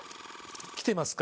きてますか？